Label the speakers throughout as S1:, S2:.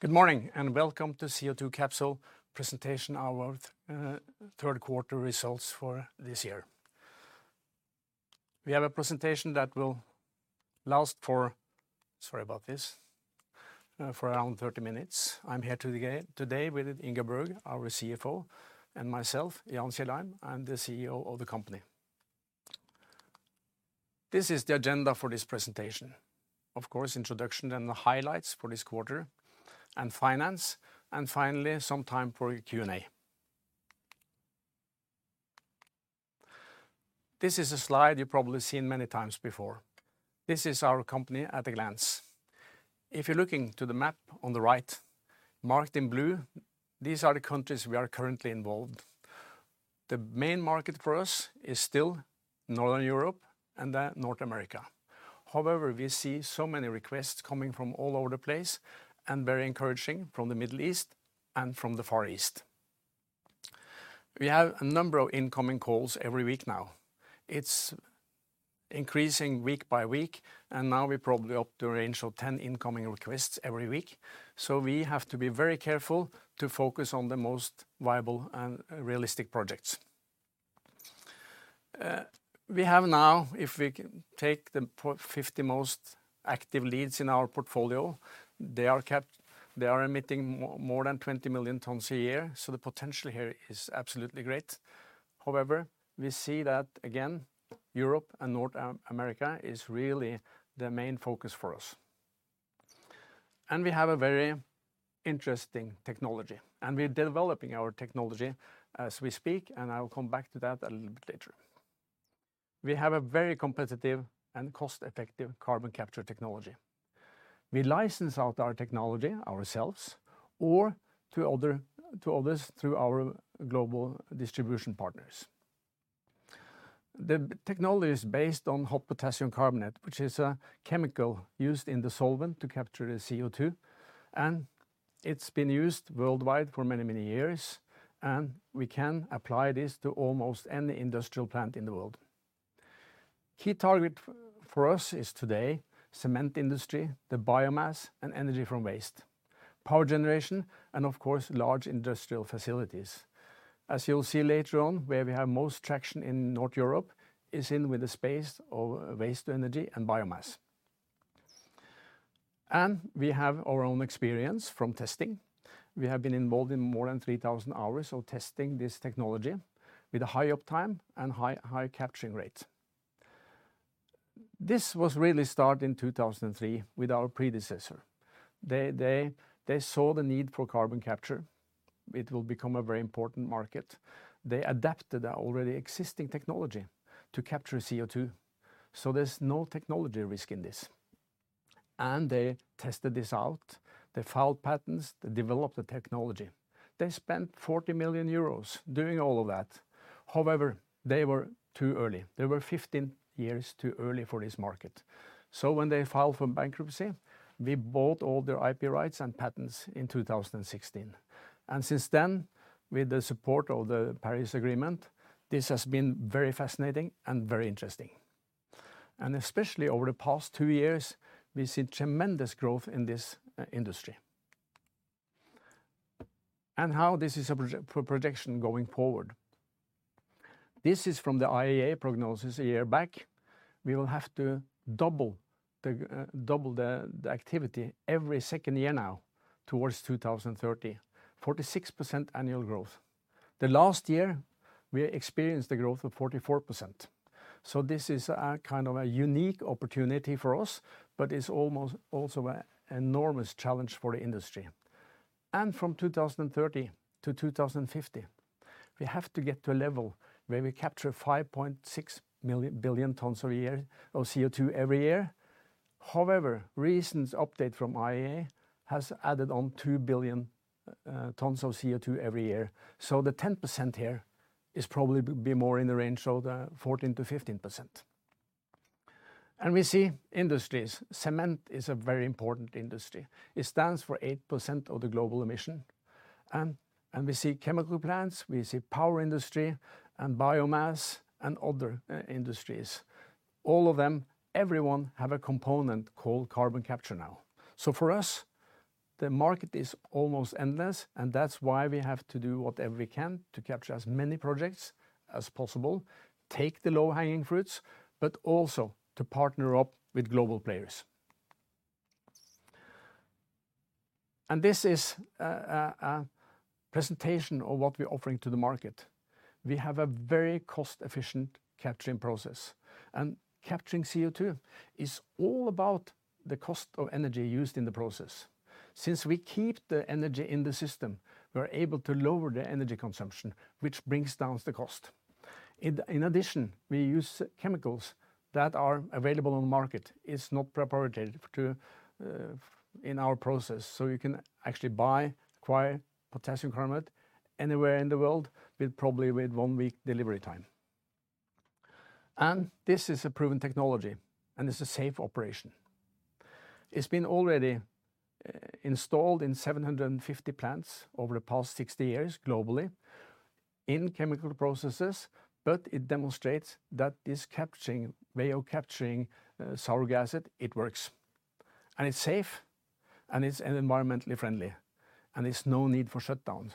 S1: Good morning, welcome to Capsol Presentation, our third quarter results for this year. We have a presentation that will last for around 30 minutes. I'm here today with Ingar, our CFO, and myself, Jan Kielland, I'm the CEO of the company. This is the agenda for this presentation. Of course, introduction and the highlights for this quarter, and finance, and finally, some time for a Q&A. This is a slide you've probably seen many times before. This is our company at a glance. If you're looking to the map on the right, marked in blue, these are the countries we are currently involved. The main market for us is still Northern Europe and North America. However, we see so many requests coming from all over the place, and very encouraging from the Middle East and from the Far East. We have a number of incoming calls every week now. It's increasing week by week, and now we're probably up to a range of 10 incoming requests every week. We have to be very careful to focus on the most viable and realistic projects. We have now, if we take the 50 most active leads in our portfolio, they are emitting more than 20 million tons a year, so the potential here is absolutely great. However, we see that again, Europe and North America is really the main focus for us. We have a very interesting technology, and we're developing our technology as we speak, and I'll come back to that a little bit later. We have a very competitive and cost-effective carbon capture technology. We license out our technology ourselves or to other, to others through our global distribution partners. The technology is based on hot potassium carbonate, which is a chemical used in the solvent to capture the CO2, and it's been used worldwide for many, many years, and we can apply this to almost any industrial plant in the world. Key target for us is today, cement industry, the biomass, and energy from waste, power generation, and of course, large industrial facilities. As you'll see later on, where we have most traction in North Europe is in the space of waste to energy and biomass. We have our own experience from testing. We have been involved in more than 3,000 hours of testing this technology with a high uptime and high capturing rate. This was really started in 2003 with our predecessor. They saw the need for carbon capture. It will become a very important market. They adapted the already existing technology to capture CO2, so there's no technology risk in this. They tested this out, they filed patents, they developed the technology. They spent 40 million euros doing all of that. However, they were too early. They were 15 years too early for this market. When they filed for bankruptcy, we bought all their IP rights and patents in 2016. Since then, with the support of the Paris Agreement, this has been very fascinating and very interesting. Especially over the past 2 years, we see tremendous growth in this, industry. How this is a projection going forward. This is from the IEA prognosis a year back. We will have to double the activity every second year now towards 2030. 46% annual growth. The last year, we experienced a growth of 44%, so this is kind of a unique opportunity for us, but it's almost also an enormous challenge for the industry. From 2030 to 2050, we have to get to a level where we capture 5.6 billion tons a year of CO2 every year. However, recent update from IEA has added on 2 billion tons of CO2 every year. The 10% here is probably be more in the range of 14%-15%. We see industries. Cement is a very important industry. It stands for 8% of the global emissions. We see chemical plants, we see power industry and biomass and other industries. All of them, every one have a component called carbon capture now. For us, the market is almost endless, and that's why we have to do whatever we can to capture as many projects as possible, take the low-hanging fruits, but also to partner up with global players. This is a presentation of what we're offering to the market. We have a very cost-efficient capturing process, and capturing CO2 is all about the cost of energy used in the process. Since we keep the energy in the system, we're able to lower the energy consumption, which brings down the cost. In addition, we use chemicals that are available on the market. It's not proprietary to our process, so you can actually buy, acquire potassium carbonate anywhere in the world with probably one week delivery time. This is a proven technology, and it's a safe operation. It's been already installed in 750 plants over the past 60 years globally in chemical processes, but it demonstrates that this way of capturing CO2, it works, and it's safe, and it's environmentally friendly, and it's no need for shutdowns.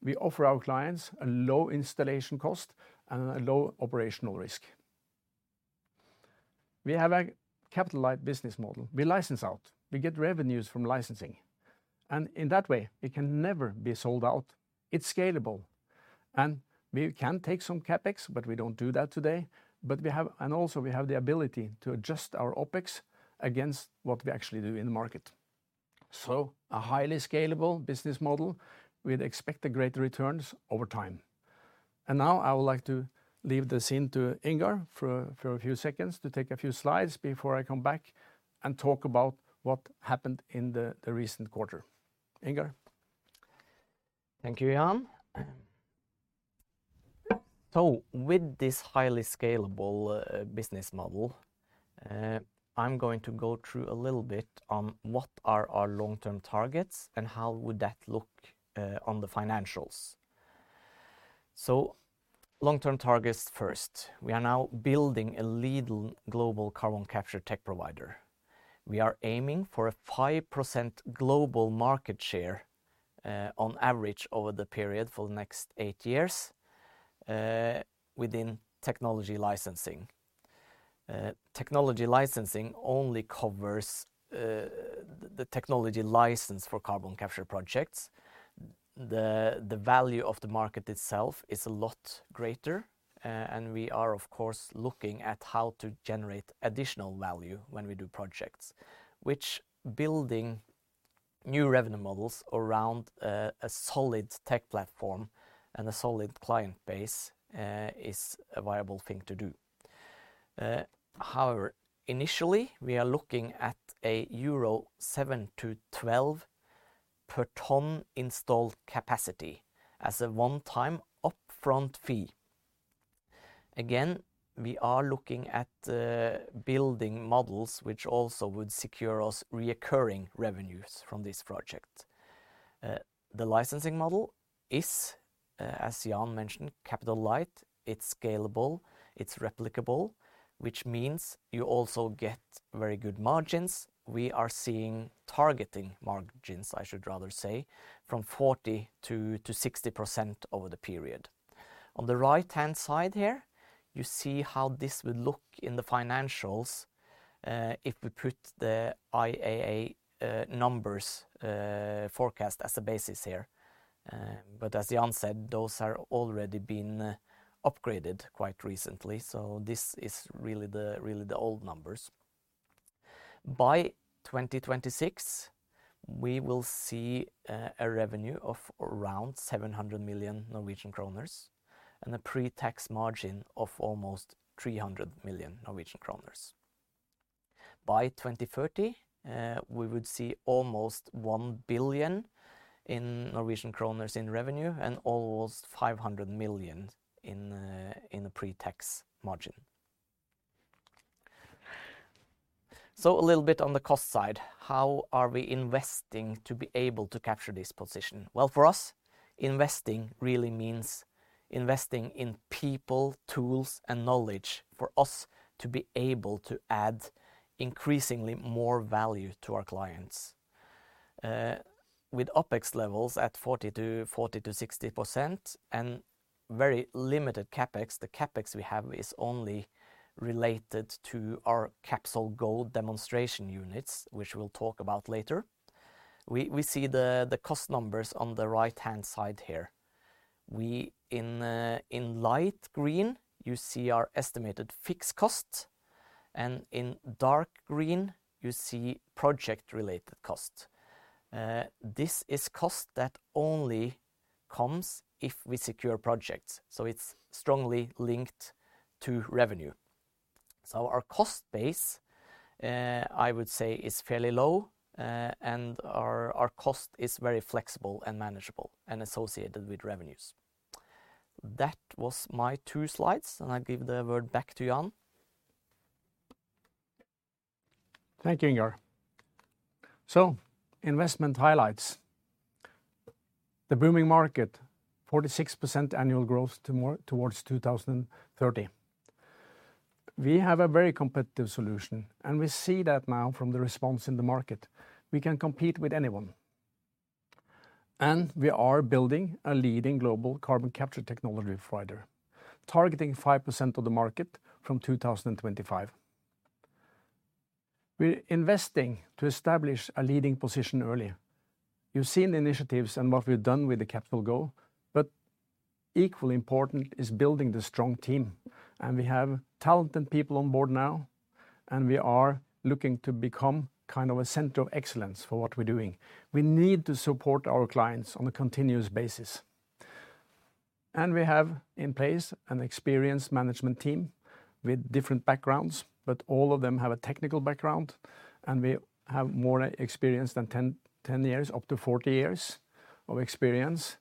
S1: We offer our clients a low installation cost and a low operational risk. We have a capital light business model. We license out, we get revenues from licensing, and in that way, it can never be sold out. It's scalable, and we can take some CapEx, but we don't do that today. We have the ability to adjust our OpEx against what we actually do in the market. A highly scalable business model, we'd expect greater returns over time. Now I would like to leave the scene to Ingar for a few seconds to take a few slides before I come back and talk about what happened in the recent quarter. Ingar.
S2: Thank you, Jan. With this highly scalable business model, I'm going to go through a little bit on what are our long-term targets and how would that look on the financials. Long-term targets first. We are now building a leading global carbon capture tech provider. We are aiming for a 5% global market share on average over the period for the next eight years within technology licensing. Technology licensing only covers the technology license for carbon capture projects. The value of the market itself is a lot greater and we are, of course, looking at how to generate additional value when we do projects. Which building new revenue models around a solid tech platform and a solid client base is a viable thing to do. However, initially, we are looking at euro 7-12 per ton installed capacity as a one-time upfront fee. Again, we are looking at building models which also would secure us recurring revenues from this project. The licensing model is, as Jan mentioned, capital light, it's scalable, it's replicable, which means you also get very good margins. We are targeting margins, I should rather say, from 40%-60% over the period. On the right-hand side here, you see how this would look in the financials, if we put the IEA numbers forecast as a basis here. But as Jan said, those are already been upgraded quite recently, so this is really the old numbers. By 2026, we will see a revenue of around 700 million Norwegian kroner and a pre-tax margin of almost 300 million Norwegian kroner. By 2030, we would see almost 1 billion in revenue and almost 500 million in a pre-tax margin. A little bit on the cost side. How are we investing to be able to capture this position? Well, for us, investing really means investing in people, tools, and knowledge for us to be able to add increasingly more value to our clients. With OpEx levels at 40%-60% and very limited CapEx, the CapEx we have is only related to our CapsolGo demonstration units, which we'll talk about later. We see the cost numbers on the right-hand side here. In light green, you see our estimated fixed cost, and in dark green, you see project-related cost. This is cost that only comes if we secure projects, so it's strongly linked to revenue. Our cost base, I would say, is fairly low, and our cost is very flexible and manageable and associated with revenues. That was my two slides, and I give the word back to Jan.
S1: Thank you, Ingar. Investment highlights. The booming market, 46% annual growth towards 2030. We have a very competitive solution, and we see that now from the response in the market. We can compete with anyone. We are building a leading global carbon capture technology provider, targeting 5% of the market from 2025. We're investing to establish a leading position early. You've seen the initiatives and what we've done with the CapsolGo, but equally important is building the strong team. We have talented people on board now, and we are looking to become kind of a center of excellence for what we're doing. We need to support our clients on a continuous basis. We have in place an experienced management team with different backgrounds, but all of them have a technical background, and we have more experience than 10 years, up to 40 years of experience.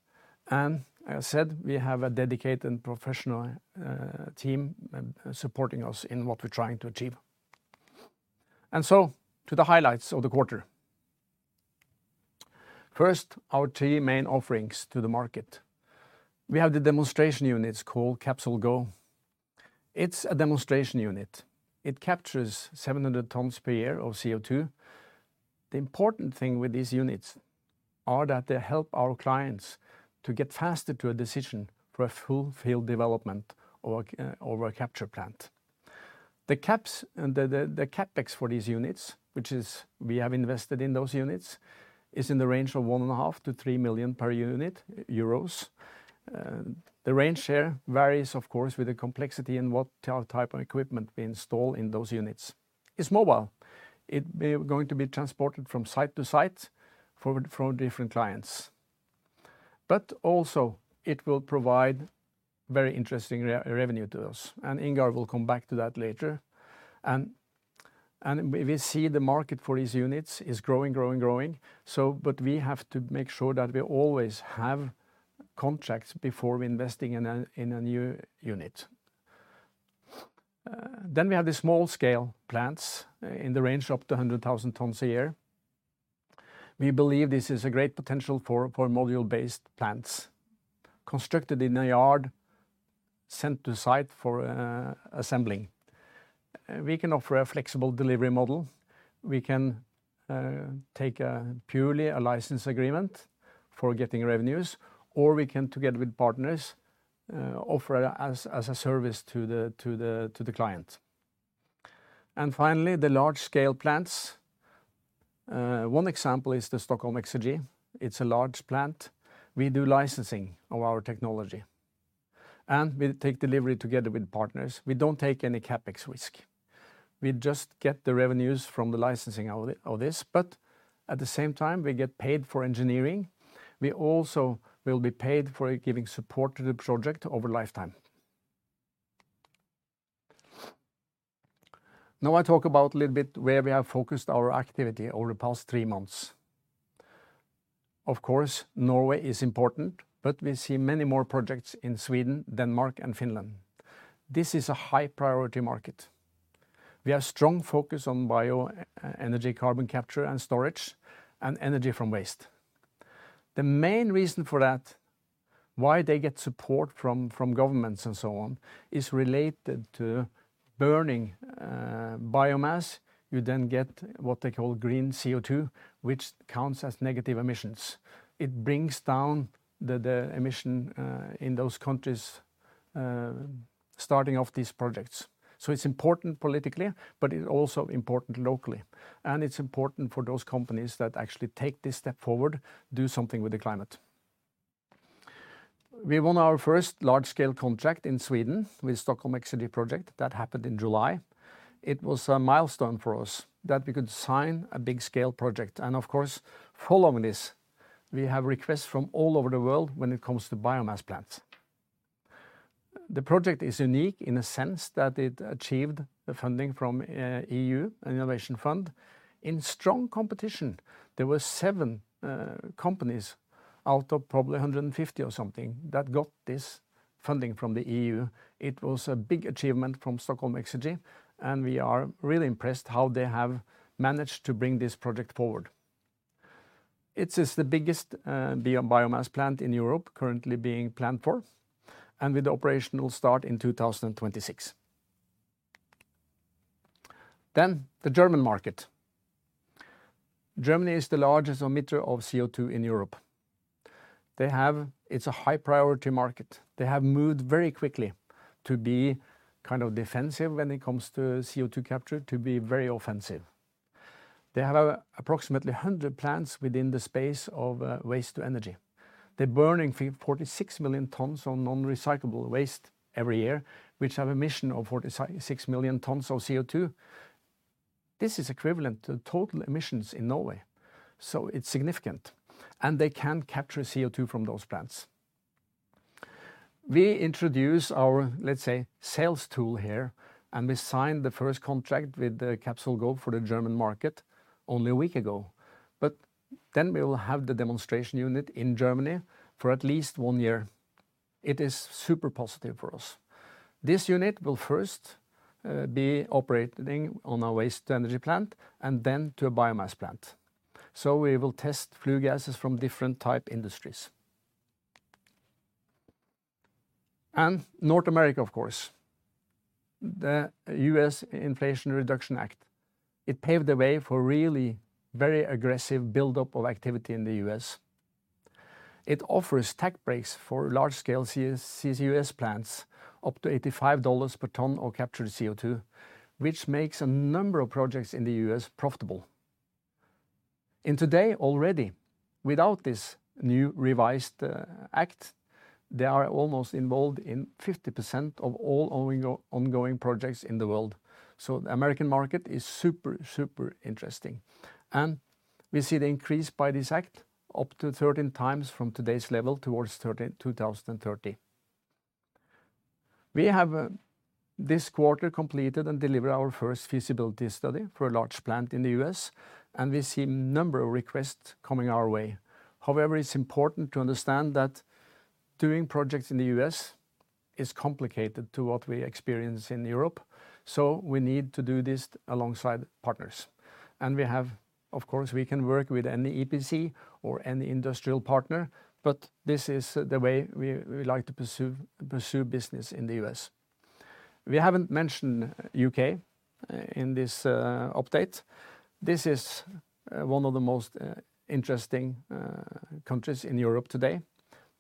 S1: As said, we have a dedicated and professional team supporting us in what we're trying to achieve. To the highlights of the quarter. First, our three main offerings to the market. We have the demonstration units called CapsolGo. It's a demonstration unit. It captures 700 tons per year of CO2. The important thing with these units are that they help our clients to get faster to a decision for a full field development or a capture plant. The caps... The CapEx for these units, which is we have invested in those units, is in the range of 1.5 million-3 million per unit. The range here varies of course with the complexity and what type of equipment we install in those units. It's mobile. It's going to be transported from site to site for different clients. Also it will provide very interesting revenue to us, and Ingar will come back to that later. We see the market for these units is growing. We have to make sure that we always have contracts before investing in a new unit. We have the small scale plants in the range of up to 100,000 tons a year. We believe this is a great potential for module-based plants constructed in a yard sent to site for assembling. We can offer a flexible delivery model. We can take a purely a license agreement for getting revenues, or we can, together with partners, offer as a service to the client. Finally, the large scale plants. One example is the Stockholm Exergi. It's a large plant. We do licensing of our technology, and we take delivery together with partners. We don't take any CapEx risk. We just get the revenues from the licensing of this, but at the same time, we get paid for engineering. We also will be paid for giving support to the project over lifetime. Now I talk about a little bit where we have focused our activity over the past three months. Of course, Norway is important, but we see many more projects in Sweden, Denmark and Finland. This is a high priority market. We have a strong focus on bioenergy, carbon capture and storage and energy from waste. The main reason for that, why they get support from governments and so on, is related to burning biomass. You then get what they call green CO2, which counts as negative emissions. It brings down the emission in those countries starting off these projects. It's important politically, but it's also important locally, and it's important for those companies that actually take this step forward, do something with the climate. We won our first large-scale contract in Sweden with Stockholm Exergi project that happened in July. It was a milestone for us that we could sign a big scale project and of course, following this, we have requests from all over the world when it comes to biomass plants. The project is unique in a sense that it achieved the funding from EU Innovation Fund in strong competition. There were 7 companies out of probably 150 or something that got this funding from the EU. It was a big achievement from Stockholm Exergi, and we are really impressed how they have managed to bring this project forward. It is the biggest biomass plant in Europe currently being planned for and with the operational start in 2026. The German market. Germany is the largest emitter of CO2 in Europe. It's a high priority market. They have moved very quickly to be kind of defensive when it comes to CO2 capture, to be very offensive. They have approximately 100 plants within the space of waste to energy. They're burning 46 million tons of non-recyclable waste every year, which have emission of 46 million tons of CO2. This is equivalent to total emissions in Norway, so it's significant, and they can capture CO2 from those plants. We introduce our, let's say, sales tool here, and we signed the first contract with the CapsolGo for the German market only a week ago. We will have the demonstration unit in Germany for at least one year. It is super positive for us. This unit will first be operating on a waste energy plant and then to a biomass plant, so we will test flue gases from different type industries. North America, of course. The U.S. Inflation Reduction Act, it paved the way for really very aggressive buildup of activity in the U.S. It offers tax breaks for large scale CCUS plants, up to $85 per ton of captured CO2, which makes a number of projects in the U.S. profitable. Indeed already, without this new revised act, they are almost involved in 50% of all ongoing projects in the world. The American market is super interesting, and we see the increase by this act up to 13 times from today's level toward 2030. We have this quarter completed and delivered our first feasibility study for a large plant in the U.S., and we see number of requests coming our way. However, it's important to understand that doing projects in the U.S. is compared to what we experience in Europe, so we need to do this alongside partners. Of course, we can work with any EPC or any industrial partner, but this is the way we like to pursue business in the U.S. We haven't mentioned U.K. in this update. This is one of the most interesting countries in Europe today.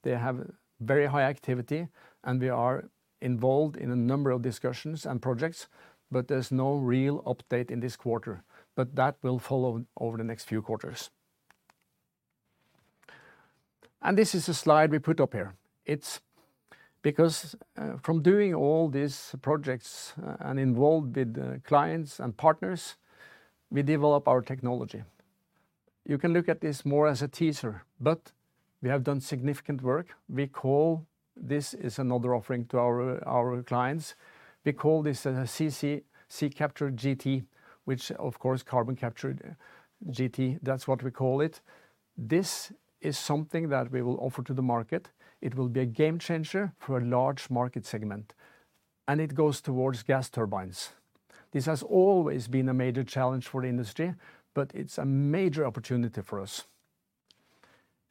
S1: They have very high activity, and we are involved in a number of discussions and projects, but there's no real update in this quarter. That will follow over the next few quarters. This is a slide we put up here. It's because from doing all these projects and involved with the clients and partners, we develop our technology. You can look at this more as a teaser, but we have done significant work. We call this another offering to our clients. We call this the CapsolGT, which of course, carbon capture GT. That's what we call it. This is something that we will offer to the market. It will be a game changer for a large market segment, and it goes towards gas turbines. This has always been a major challenge for the industry, but it's a major opportunity for us.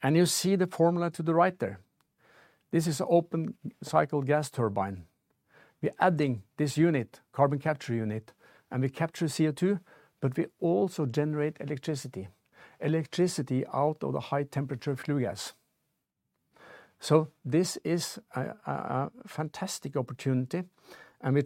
S1: You see the formula to the right there. This is open cycle gas turbine. We're adding this unit, carbon capture unit, and we capture CO2, but we also generate electricity. Electricity out of the high temperature flue gas. This is a fantastic opportunity, and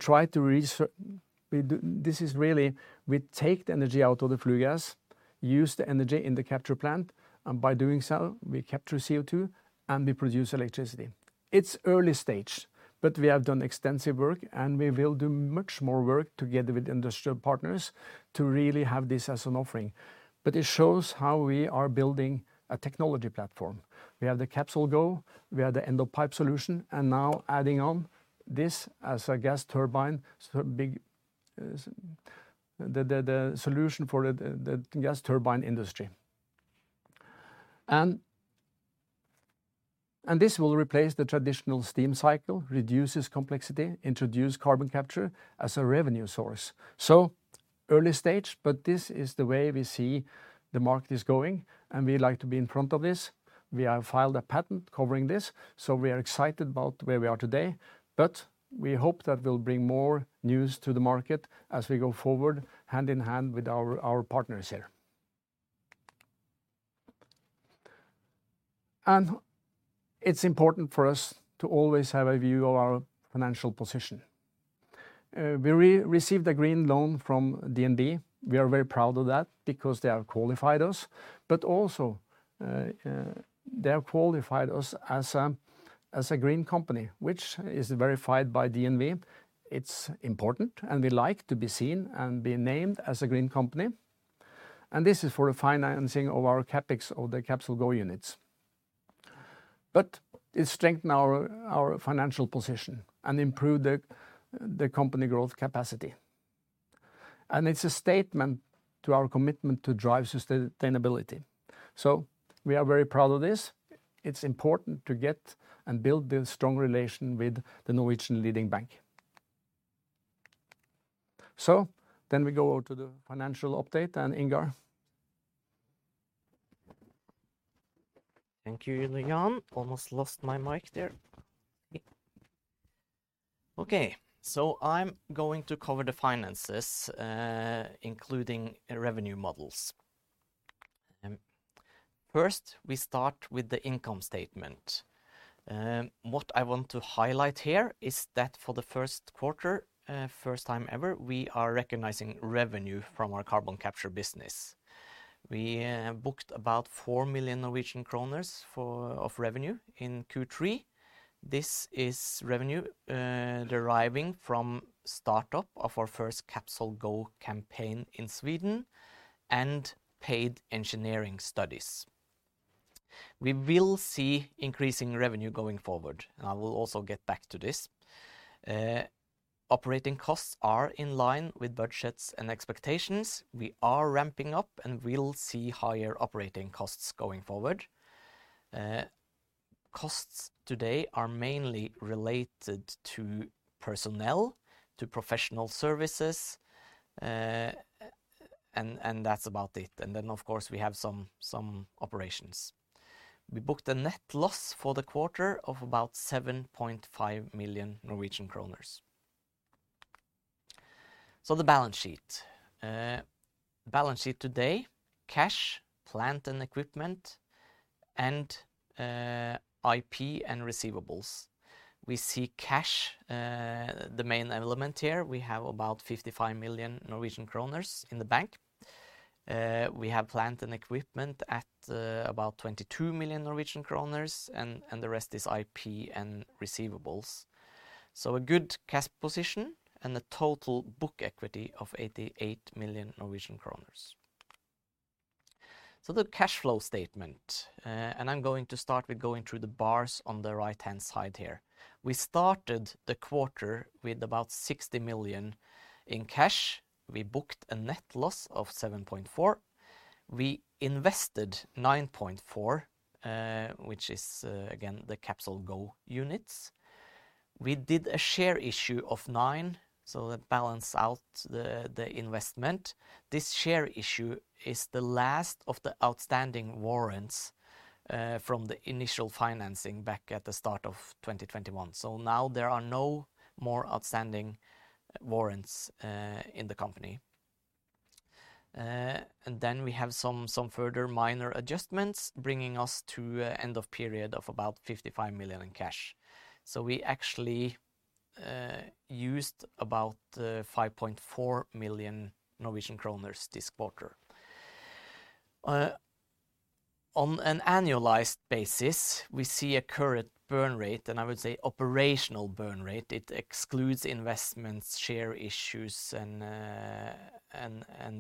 S1: this is really we take the energy out of the flue gas, use the energy in the capture plant, and by doing so, we capture CO2, and we produce electricity. It's early stage, but we have done extensive work, and we will do much more work together with industrial partners to really have this as an offering. It shows how we are building a technology platform. We have the CapsolGo, we have the end-of-pipe solution, and now adding on this as a CapsolGT is the solution for the gas turbine industry. This will replace the traditional steam cycle, reduces complexity, introduce carbon capture as a revenue source. Early stage, but this is the way we see the market is going, and we like to be in front of this. We have filed a patent covering this, so we are excited about where we are today. We hope that we'll bring more news to the market as we go forward hand in hand with our partners here. It's important for us to always have a view of our financial position. We received a green loan from DNB. We are very proud of that because they have qualified us, but also, they have qualified us as a green company, which is verified by DNB. It's important, and we like to be seen and be named as a green company. This is for the financing of our CapEx or the CapsolGo units.It strengthen our financial position and improve the company growth capacity. It's a statement to our commitment to drive sustainability. We are very proud of this. It's important to get and build this strong relation with the Norwegian leading bank. We go to the financial update and Ingar.
S2: Thank you, Jan. Almost lost my mic there. Okay, so I'm going to cover the finances, including revenue models. First, we start with the income statement. What I want to highlight here is that for the first quarter, first time ever, we are recognizing revenue from our carbon capture business. We booked about 4 million Norwegian kroner of revenue in Q3. This is revenue deriving from startup of our first CapsolGo campaign in Sweden and paid engineering studies. We will see increasing revenue going forward, and I will also get back to this. Operating costs are in line with budgets and expectations. We are ramping up, and we'll see higher operating costs going forward. Costs today are mainly related to personnel, to professional services, and that's about it. Of course, we have some operations. We booked a net loss for the quarter of about 7.5 million Norwegian kroner. The balance sheet. Balance sheet today, cash, plant and equipment, and IP and receivables. We see cash, the main element here. We have about 55 million Norwegian kroner in the bank. We have plant and equipment at about 22 million Norwegian kroner and the rest is IP and receivables. A good cash position and a total book equity of 88 million Norwegian kroner. The cash flow statement, and I'm going to start with going through the bars on the right-hand side here. We started the quarter with about 60 million in cash. We booked a net loss of 7.4 million. We invested 9.4 million, which is, again, the CapsolGo units. We did a share issue of 9 million, so that balance out the investment. This share issue is the last of the outstanding warrants from the initial financing back at the start of 2021. Now there are no more outstanding warrants in the company. And then we have some further minor adjustments bringing us to end of period of about 55 million in cash. We actually used about 5.4 million Norwegian kroner this quarter. On an annualized basis, we see a current burn rate, and I would say operational burn rate, it excludes investments, share issues, and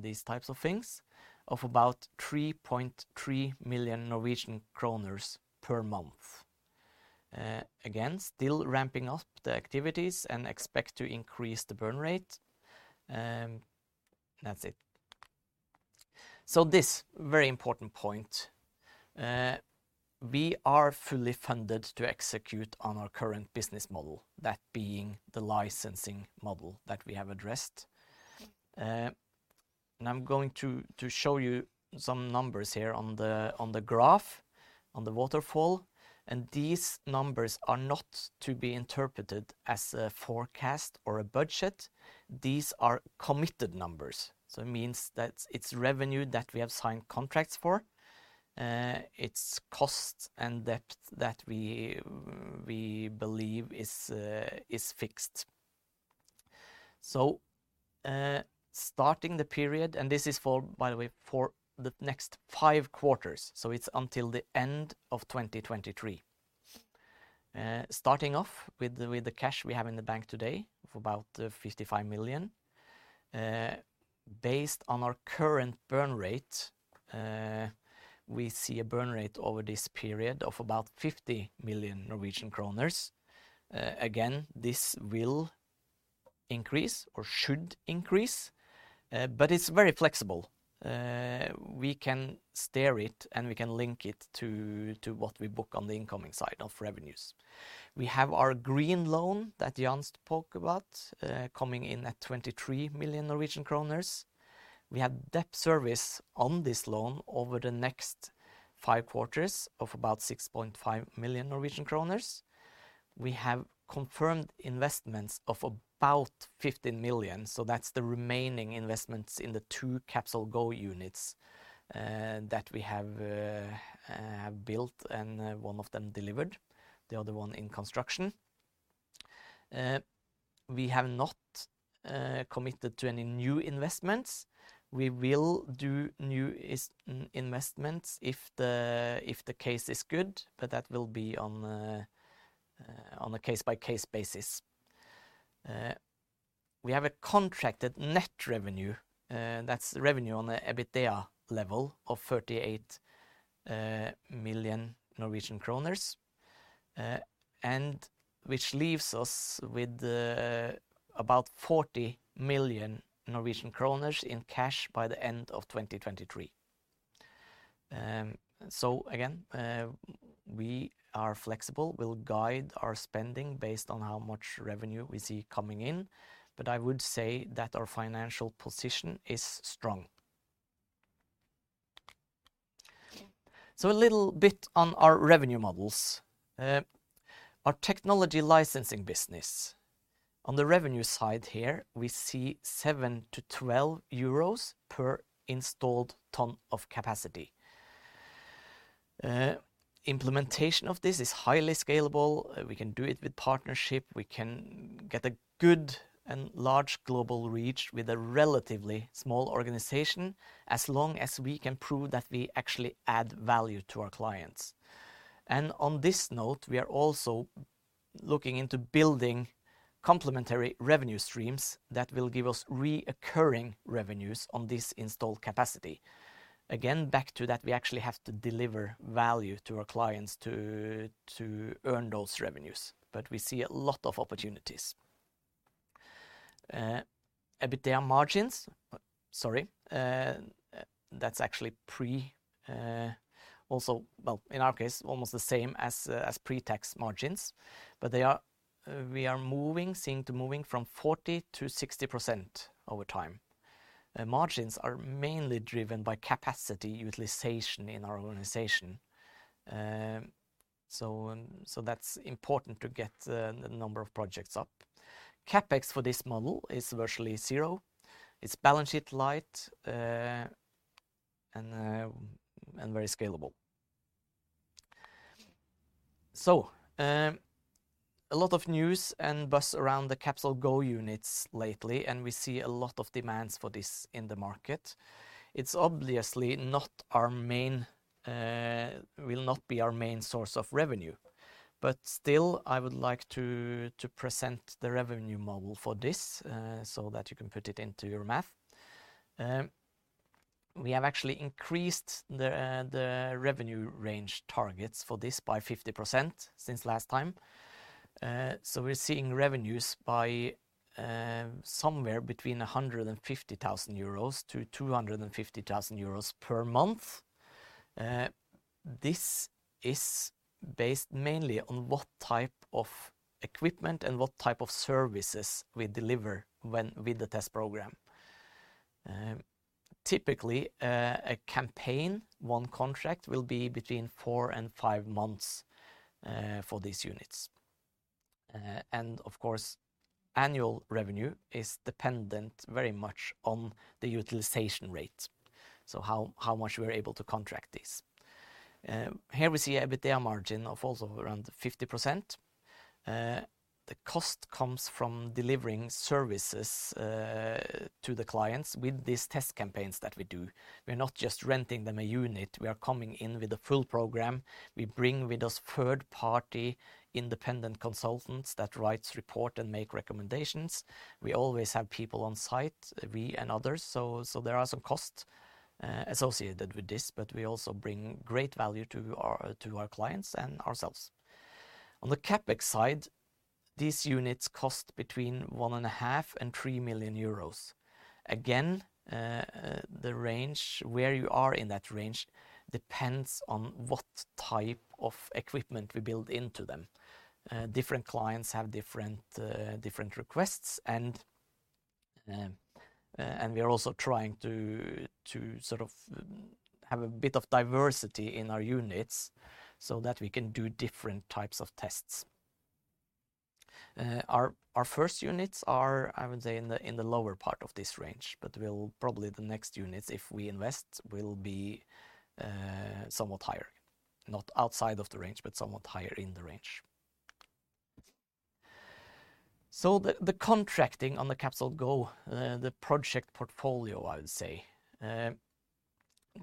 S2: these types of things, of about 3.3 million Norwegian kroner per month. Again, still ramping up the activities and expect to increase the burn rate, and that's it. This very important point. We are fully funded to execute on our current business model, that being the licensing model that we have addressed. I'm going to show you some numbers here on the graph, on the waterfall, and these numbers are not to be interpreted as a forecast or a budget. These are committed numbers. It means that it's revenue that we have signed contracts for, it's cost and debt that we believe is fixed. Starting the period, this is, by the way, for the next five quarters, it's until the end of 2023. Starting off with the cash we have in the bank today of about 55 million. Based on our current burn rate, we see a burn rate over this period of about 50 million Norwegian kroner. Again, this will increase or should increase, but it's very flexible. We can steer it, and we can link it to what we book on the incoming side of revenues. We have our green loan that Jan spoke about, coming in at 23 million Norwegian kroner. We have debt service on this loan over the next five quarters of about 6.5 million Norwegian kroner. We have confirmed investments of about 15 million, so that's the remaining investments in the two CapsolGo units that we have built and one of them delivered, the other one in construction. We have not committed to any new investments. We will do new investments if the case is good, but that will be on a case-by-case basis. We have a contracted net revenue, that's revenue on an EBITDA level of 38 million Norwegian kroner. Which leaves us with about 40 million Norwegian kroner in cash by the end of 2023. Again, we are flexible. We'll guide our spending based on how much revenue we see coming in, but I would say that our financial position is strong. A little bit on our revenue models. Our technology licensing business. On the revenue side here, we see 7-12 euros per installed ton of capacity. Implementation of this is highly scalable. We can do it with partnership. We can get a good and large global reach with a relatively small organization as long as we can prove that we actually add value to our clients. On this note, we are also looking into building complementary revenue streams that will give us recurring revenues on this installed capacity. Again, back to that, we actually have to deliver value to our clients to earn those revenues, but we see a lot of opportunities. EBITDA margins. That's actually, in our case, almost the same as pre-tax margins. We are moving from 40%-60% over time. Margins are mainly driven by capacity utilization in our organization. So that's important to get the number of projects up. CapEx for this model is virtually zero. It's balance sheet light and very scalable. A lot of news and buzz around the CapsolGo units lately, and we see a lot of demands for this in the market. It's obviously not our main, will not be our main source of revenue. Still, I would like to present the revenue model for this, so that you can put it into your math. We have actually increased the revenue range targets for this by 50% since last time. We're seeing revenues by somewhere between 150,000 euros and 250,000 euros per month. This is based mainly on what type of equipment and what type of services we deliver when with the test program. Typically, a campaign, one contract will be between four and five months for these units. Of course, annual revenue is dependent very much on the utilization rate, so how much we're able to contract this. Here we see EBITDA margin of also around 50%. The cost comes from delivering services to the clients with these test campaigns that we do. We're not just renting them a unit, we are coming in with a full program. We bring with us third-party independent consultants that writes report and make recommendations. We always have people on site, we and others. There are some costs associated with this, but we also bring great value to our clients and ourselves. On the CapEx side, these units cost between 1.5-3 million euros. Again, the range, where you are in that range depends on what type of equipment we build into them. Different clients have different requests and we are also trying to sort of have a bit of diversity in our units so that we can do different types of tests. Our first units are, I would say, in the lower part of this range, but we'll probably the next units, if we invest, will be somewhat higher. Not outside of the range, but somewhat higher in the range. The contracting on the CapsolGo, the project portfolio, I would say.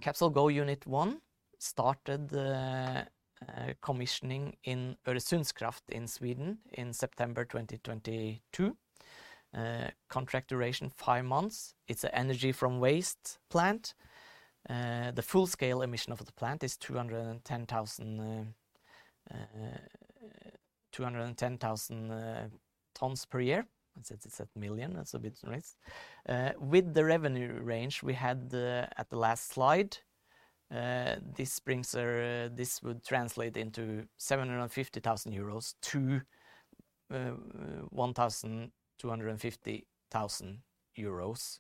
S2: CapsolGo unit one started commissioning in Öresundskraft in Sweden in September 2022. Contract duration five months. It's an energy from waste plant. The full scale emission of the plant is 210,000 tons per year. It says it's at 1 million, that's a bit less. With the revenue range we had at the last slide, this would translate into 750,000-1,250,000 euros.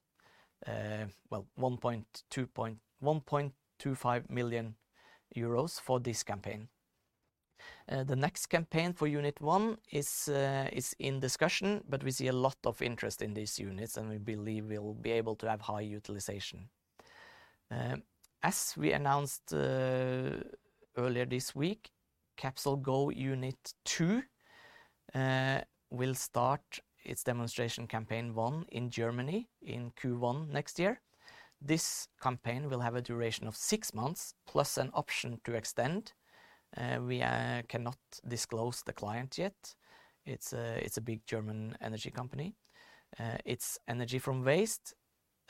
S2: Well, 1.25 million euros for this campaign. The next campaign for unit one is in discussion, but we see a lot of interest in these units, and we believe we'll be able to have high utilization. As we announced earlier this week, CapsolGo unit two will start its demonstration campaign one in Germany in Q1 next year. This campaign will have a duration of 6 months, plus an option to extend. We cannot disclose the client yet. It's a big German energy company. It's energy from waste,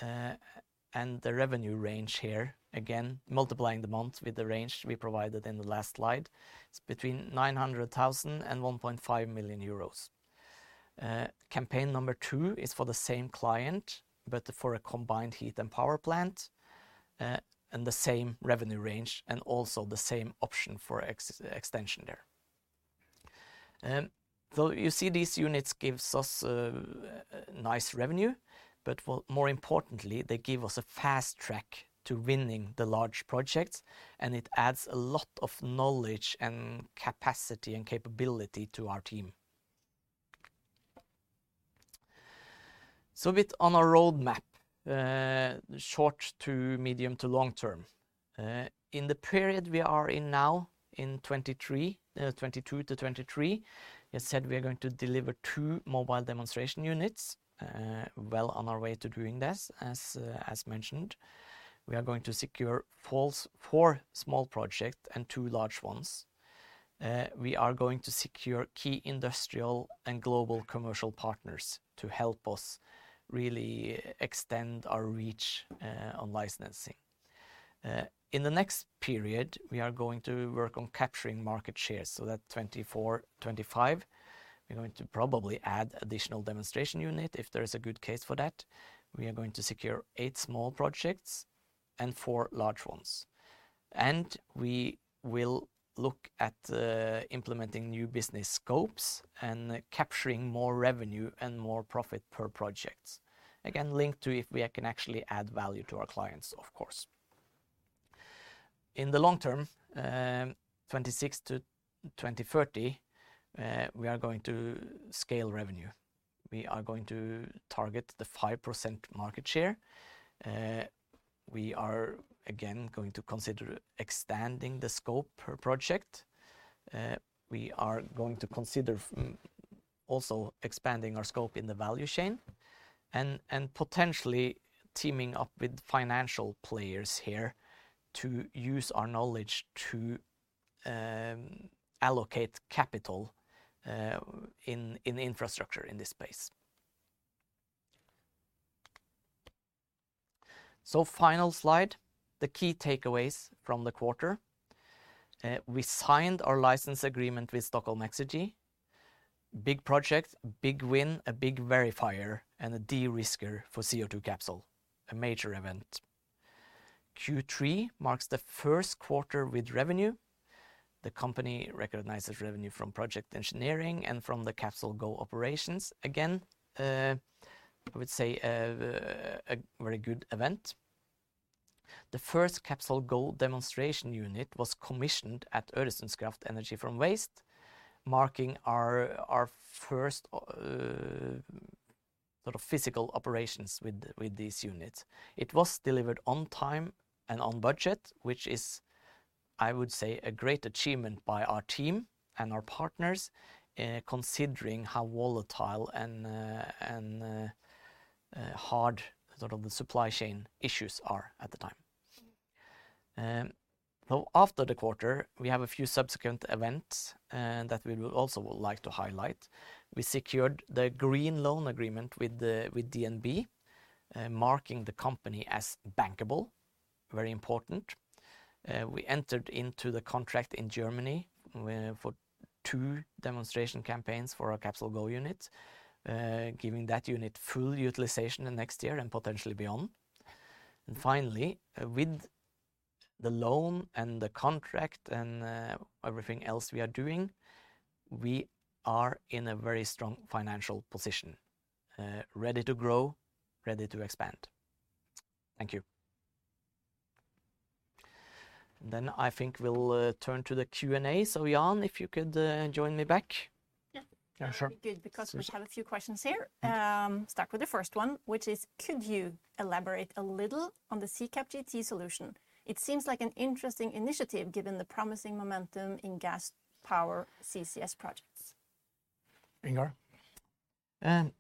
S2: and the revenue range here, again, multiplying the months with the range we provided in the last slide, it's between 900,000 and 1.5 million euros. Campaign number 2 is for the same client, but for a combined heat and power plant, and the same revenue range and also the same option for extension there. You see these units gives us a nice revenue, but well, more importantly, they give us a fast track to winning the large projects, and it adds a lot of knowledge and capacity and capability to our team. A bit on our roadmap, short to medium to long term. In the period we are in now, in 2023, 2022 to 2023, as said, we are going to deliver 2 mobile demonstration units, well on our way to doing this, as mentioned. We are going to secure 4 small projects and 2 large ones. We are going to secure key industrial and global commercial partners to help us really extend our reach on licensing. In the next period, we are going to work on capturing market shares, so that 2024, 2025, we're going to probably add additional demonstration unit if there is a good case for that. We are going to secure 8 small projects and 4 large ones. We will look at implementing new business scopes and capturing more revenue and more profit per projects. Again, linked to if we can actually add value to our clients, of course. In the long term, 2026 to 2030, we are going to scale revenue. We are going to target the 5% market share. We are again going to consider extending the scope per project. We are going to consider also expanding our scope in the value chain and potentially teaming up with financial players here to use our knowledge to allocate capital in infrastructure in this space. Final slide, the key takeaways from the quarter. We signed our license agreement with Stockholm Exergi. Big project, big win, a big verifier, and a de-risker for CO2 capture, a major event. Q3 marks the first quarter with revenue. The company recognizes revenue from project engineering and from the CapsolGo operations. Again, I would say, a very good event. The first CapsolGo demonstration unit was commissioned at Öresundskraft Energy from Waste, marking our first sort of physical operations with these units. It was delivered on time and on budget, which is, I would say, a great achievement by our team and our partners, considering how volatile and hard sort of the supply chain issues are at the time. Now after the quarter, we have a few subsequent events that we will also would like to highlight. We secured the green loan agreement with DNB, marking the company as bankable, very important. We entered into the contract in Germany for two demonstration campaigns for our CapsolGo unit, giving that unit full utilization in next year and potentially beyond. Finally, with the loan and the contract and everything else we are doing, we are in a very strong financial position, ready to grow, ready to expand. Thank you. I think we'll turn to the Q&A. Jan, if you could, join me back.
S1: Yeah, sure.
S2: That'd be good because we have a few questions here. Thank you.
S3: Start with the first one, which is, could you elaborate a little on the CapsolGT solution? It seems like an interesting initiative given the promising momentum in gas power CCS projects.
S1: Ingar?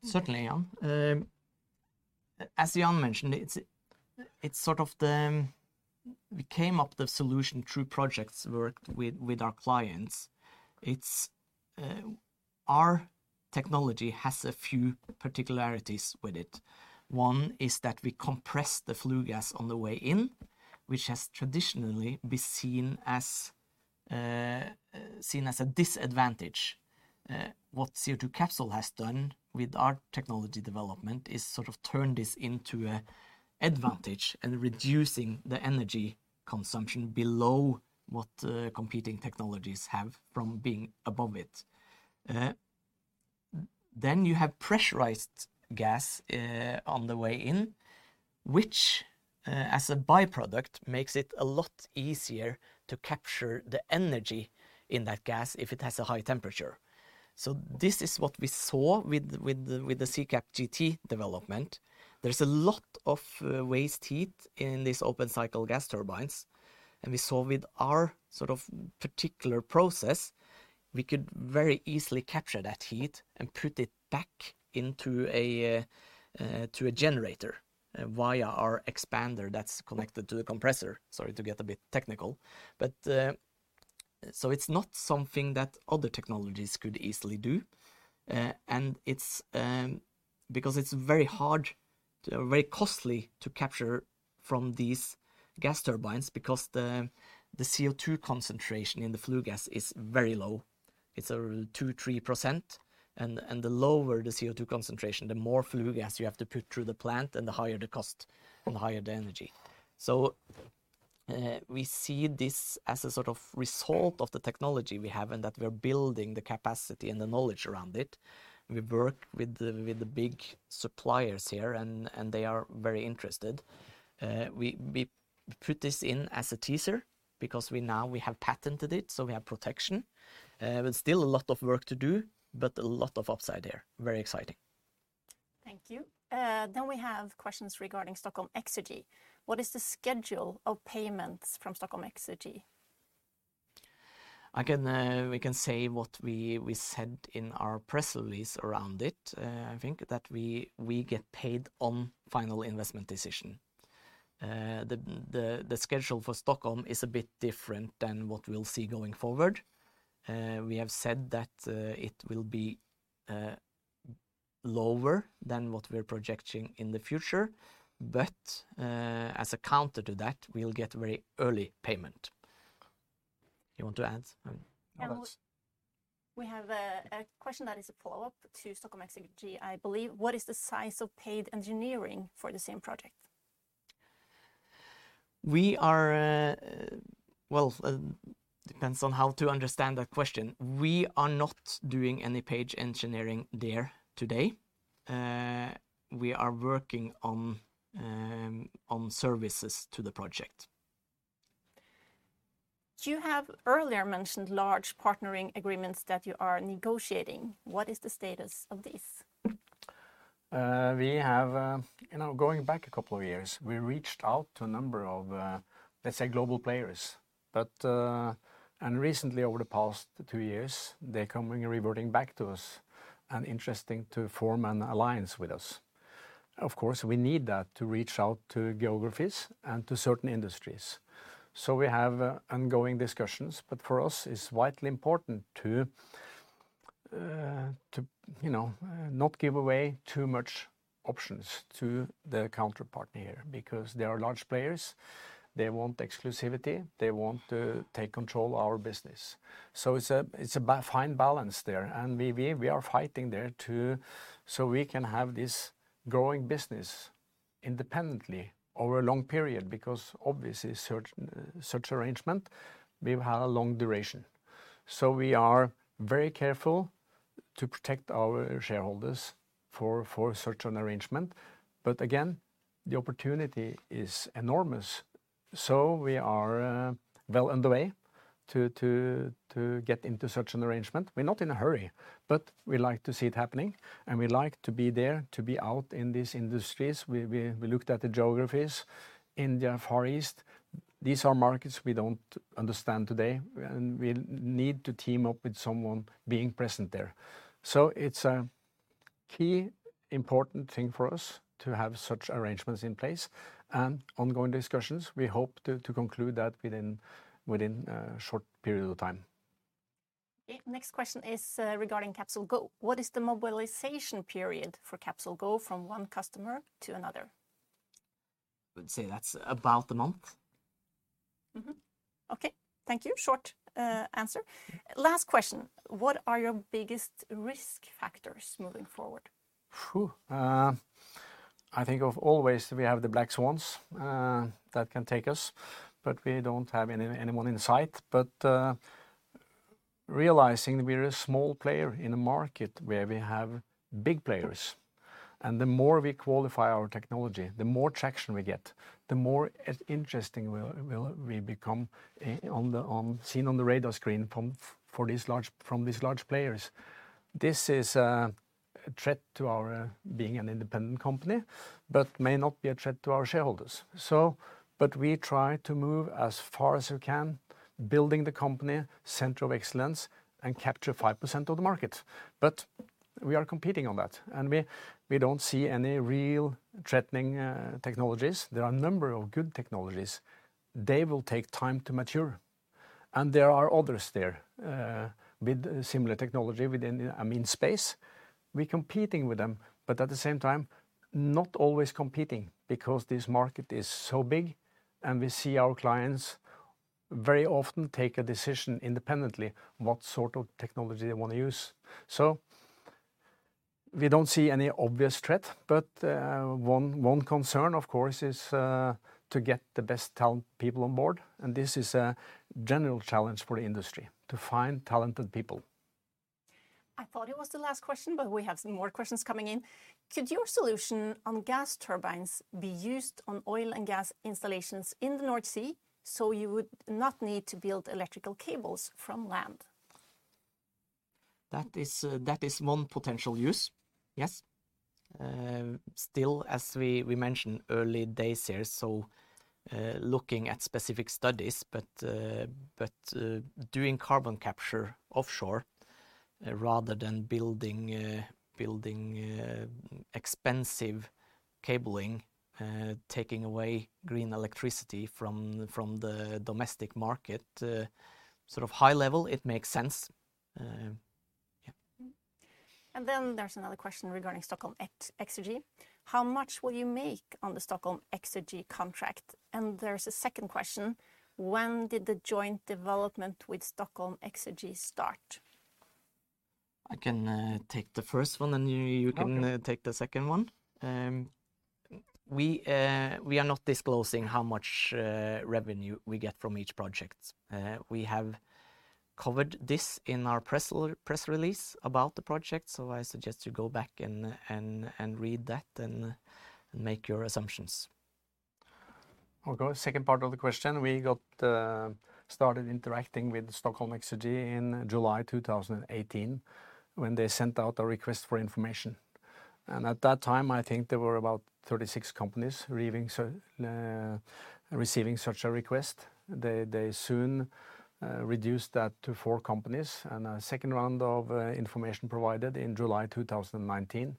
S2: Certainly, Jan. As Jan mentioned, it's sort of. We came up with the solution through projects worked with our clients. Our technology has a few particularities with it. One is that we compress the flue gas on the way in, which has traditionally been seen as a disadvantage. What Capsol has done with our technology development is sort of turn this into an advantage and reducing the energy consumption below what competing technologies have from being above it. Then you have pressurized gas on the way in, which, as a by-product, makes it a lot easier to capture the energy in that gas if it has a high temperature. This is what we saw with the CapsolGT development. There's a lot of waste heat in these open cycle gas turbines, and we saw with our sort of particular process, we could very easily capture that heat and put it back into a generator via our expander that's connected to the compressor. Sorry to get a bit technical. It's not something that other technologies could easily do. It's because it's very hard, very costly to capture from these gas turbines because the CO2 concentration in the flue gas is very low. It's 2-3%. The lower the CO2 concentration, the more flue gas you have to put through the plant, and the higher the cost and the higher the energy. We see this as a sort of result of the technology we have and that we're building the capacity and the knowledge around it. We work with the big suppliers here, and they are very interested. We put this in as a teaser because we now have patented it, so we have protection. Still a lot of work to do, but a lot of upside here. Very exciting.
S3: Thank you. We have questions regarding Stockholm Exergi. What is the schedule of payments from Stockholm Exergi?
S2: I can, we can say what we said in our press release around it. I think that we get paid on final investment decision. The schedule for Stockholm is a bit different than what we'll see going forward. We have said that it will be lower than what we're projecting in the future. As a counter to that, we'll get very early payment. You want to add? No, that's-
S3: We have a question that is a follow-up to Stockholm Exergi, I believe. What is the size of paid engineering for the same project?
S2: Well, depends on how to understand that question. We are not doing any paid engineering there today. We are working on services to the project.
S3: You have earlier mentioned large partnering agreements that you are negotiating. What is the status of these?
S1: We have, you know, going back a couple of years, we reached out to a number of, let's say, global players. Recently over the past two years, they're coming back to us and interested in forming an alliance with us. Of course, we need that to reach out to geographies and to certain industries. We have ongoing discussions, but for us it's vitally important to, you know, not give away too many options to the counterparty here because they are large players, they want exclusivity, they want to take control of our business. It's a fine balance there and we are fighting there so we can have this growing business independently over a long period because obviously such arrangement will have a long duration. We are very careful to protect our shareholders for such an arrangement. Again, the opportunity is enormous, so we are well on the way to get into such an arrangement. We're not in a hurry, but we like to see it happening and we like to be there, to be out in these industries. We looked at the geographies, India, Far East, these are markets we don't understand today and we need to team up with someone being present there. It's a key important thing for us to have such arrangements in place and ongoing discussions. We hope to conclude that within a short period of time.
S3: Okay. Next question is regarding CapsolGo. What is the mobilization period for CapsolGo from one customer to another?
S2: I would say that's about a month.
S3: Mm-hmm. Okay. Thank you. Short answer. Last question. What are your biggest risk factors moving forward?
S1: Phew. I think we always have the black swans that can take us, but we don't have anyone in sight. Realizing we're a small player in a market where we have big players, and the more we qualify our technology, the more traction we get, the more interesting we'll become seen on the radar screen from these large players. This is a threat to our being an independent company but may not be a threat to our shareholders. We try to move as far as we can, building the company center of excellence and capture 5% of the market. We are competing on that, and we don't see any real threatening technologies. There are a number of good technologies. They will take time to mature. There are others there with similar technology within, I mean, space. We're competing with them, but at the same time, not always competing because this market is so big and we see our clients very often take a decision independently what sort of technology they want to use. We don't see any obvious threat, but one concern, of course, is to get the best talent people on board, and this is a general challenge for the industry, to find talented people.
S3: I thought it was the last question, but we have some more questions coming in. Could your solution on gas turbines be used on oil and gas installations in the North Sea, so you would not need to build electrical cables from land?
S2: That is one potential use, yes. Still as we mentioned early days here, so, looking at specific studies, but doing carbon capture offshore rather than building expensive cabling, taking away green electricity from the domestic market, sort of high level, it makes sense. Yeah.
S3: There's another question regarding Stockholm Exergi. How much will you make on the Stockholm Exergi contract? There's a second question: When did the joint development with Stockholm Exergi start?
S2: I can take the first one, and you can.
S1: Okay
S2: Take the second one. We are not disclosing how much revenue we get from each project. We have covered this in our press release about the project, so I suggest you go back and read that and make your assumptions.
S1: Okay. Second part of the question, we got started interacting with Stockholm Exergi in July 2018 when they sent out a request for information. At that time, I think there were about 36 companies receiving such a request. They soon reduced that to four companies and a second round of information provided in July 2019.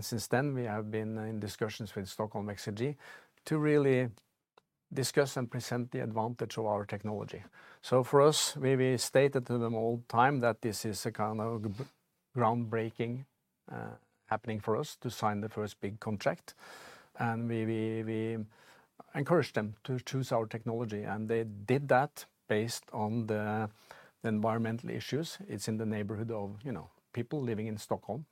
S1: Since then, we have been in discussions with Stockholm Exergi to really discuss and present the advantage of our technology. For us, we stated to them all time that this is a kind of groundbreaking happening for us to sign the first big contract. We encouraged them to choose our technology, and they did that based on the environmental issues. It's in the neighborhood of, you know, people living in Stockholm.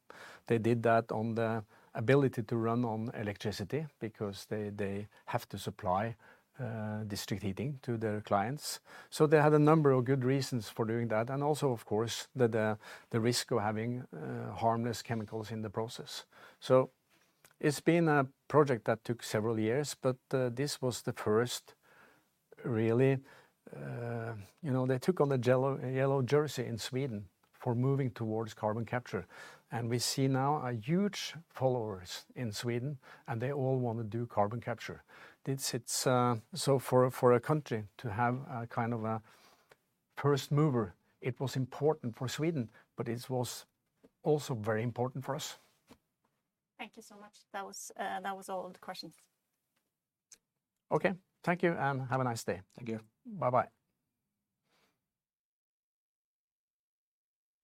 S1: They did that on the ability to run on electricity because they have to supply district heating to their clients. They had a number of good reasons for doing that and also, of course, the risk of having harmless chemicals in the process. It's been a project that took several years, but this was the first really. You know, they took on the yellow jersey in Sweden for moving towards carbon capture. We see now a huge following in Sweden, and they all want to do carbon capture. It's for a country to have a kind of a first mover, it was important for Sweden, but it was also very important for us.
S3: Thank you so much. That was all the questions.
S1: Okay. Thank you and have a nice day.
S2: Thank you.
S1: Bye-bye.